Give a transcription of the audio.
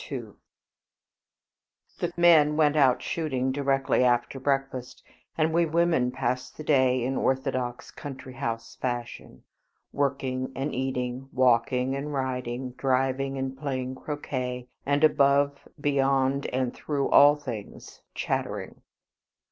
IV The men went out shooting directly after breakfast, and we women passed the day in orthodox country house fashion, working and eating; walking and riding; driving and playing croquet; and above, beyond, and through all things, chattering.